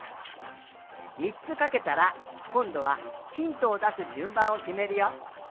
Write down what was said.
３つかけたらこんどはひんとをだすじゅんばんをきめるよ。